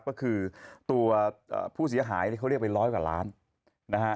ก็คือตัวผู้เสียหายที่เขาเรียกไปร้อยกว่าล้านนะฮะ